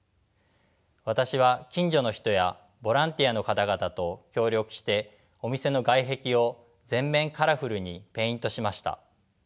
私は近所の人やボランティアの方々と協力してお店の外壁を全面カラフルにペイントしました。